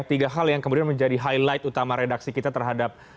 tiga hal yang kemudian menjadi highlight utama redaksi kita terhadap